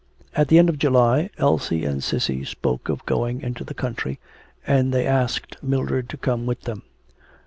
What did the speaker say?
At the end of July, Elsie and Cissy spoke of going into the country, and they asked Mildred to come with them.